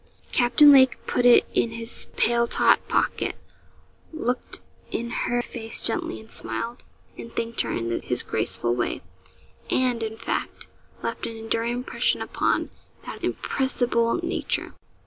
Captain Lake put it in his paletot pocket, looked in her face gently, and smiled, and thanked her in his graceful way and, in fact, left an enduring impression upon that impressible nature.